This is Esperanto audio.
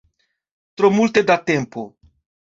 Tro multe da tempo.